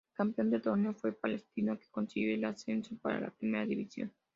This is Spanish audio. El campeón del torneo fue Palestino, que consiguió el ascenso para la Primera División.